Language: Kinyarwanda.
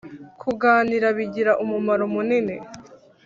Kuganira bigira umumaro munini